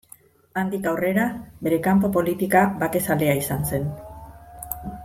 Handik aurrera bere kanpo politika bakezalea izan zen.